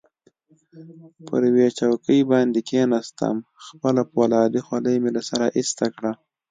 پر یوې چوکۍ باندې کښېناستم، خپله فولادي خولۍ مې له سره ایسته کړه.